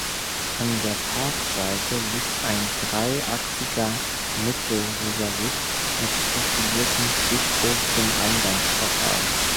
An der Parkseite liegt ein dreiachsiger Mittelrisalit mit profiliertem stichbogigen Eingangsportal.